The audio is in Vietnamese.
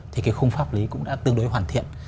thì cái khung pháp lý cũng đã tương đối hoàn thiện